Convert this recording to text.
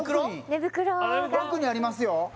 寝袋が奥にありますよ